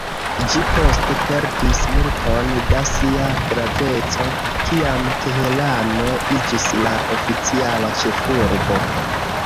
Ĝi poste perdis multon da sia graveco, kiam Teherano iĝis la oficiala ĉefurbo.